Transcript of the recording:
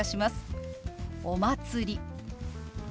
「お祭り」。